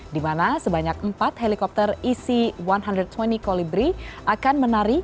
di mana sebanyak empat helikopter isi satu ratus dua puluh colybri akan menari